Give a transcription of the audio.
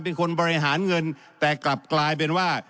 เป็นคนบริหารเงินแต่กลับกลายเป็นว่า